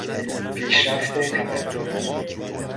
پیشرفت تمدن